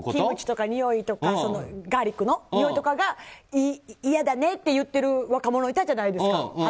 キムチとかのにおいとかガーリックのにおいが嫌だねって言ってる若者いたじゃないですか